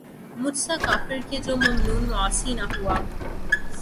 مجھ سا کافر کہ جو ممنون معاصی نہ ہوا